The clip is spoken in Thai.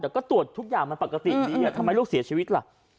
แล้วก็ตรวจทุกอย่ามันปกติดีเหล่าว่าทำไมลูกเสียชีวิตหล่ะ